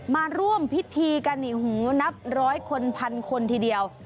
มาร่วมพิธีกันที่นับ๑๐๐คน๑๐๐๐คนทีเดียว